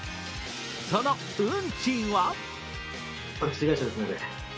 その運賃は？